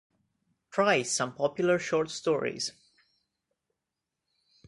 Try some popular short stories.